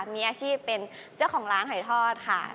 มีอาชีพเป็นเจ้าของร้านหอยทอดค่ะ